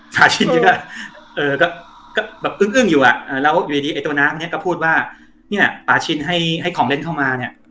ปาชินเยอะก็แบบอึ้งอยู่อ่ะแล้วอยู่ดีไอ้ตัวน้ำเนี่ยก็พูดว่านี่แหละปาชินให้ของเล่นเข้ามาเนี่ย